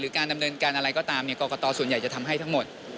การดำเนินการอะไรก็ตามกรกตส่วนใหญ่จะทำให้ทั้งหมด